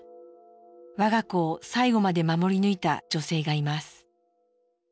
我が子を最後まで守り抜いた女性がいます。